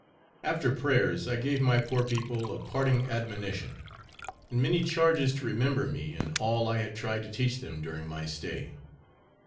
After prayers I gave my poor people a parting admonition, and many charges to remember me and all I had tried to teach them during my stay.